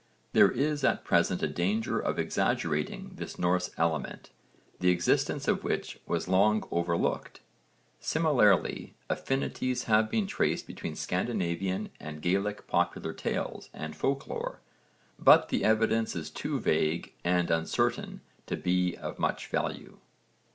There is at present a danger of exaggerating this Norse element, the existence of which was long overlooked. Similarly, affinities have been traced between Scandinavian and Gaelic popular tales and folk lore, but the evidence is too vague and uncertain to be of much value.